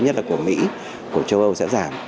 nhất là của mỹ của châu âu sẽ giảm